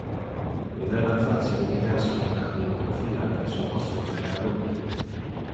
Il era facile vider sur le radiographia, que su ossos era rupte.